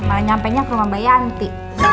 malah nyampenya ke rumah mbak yanti